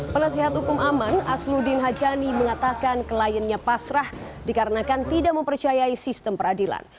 penasihat hukum aman asludin hajani mengatakan kliennya pasrah dikarenakan tidak mempercayai sistem peradilan